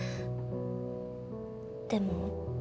でも。